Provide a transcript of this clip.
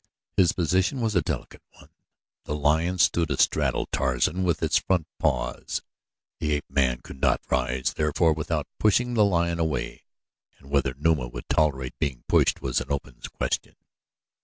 His position was a delicate one. The lion stood astraddle Tarzan with his front paws. The ape man could not rise, therefore, without pushing the lion away and whether Numa would tolerate being pushed was an open question.